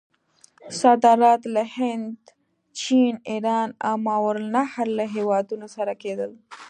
صادرات له هند، چین، ایران او ماورأ النهر له هیوادونو سره کېدل.